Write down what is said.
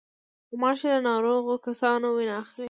غوماشې له ناروغو کسانو وینه اخلي.